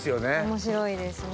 面白いですね。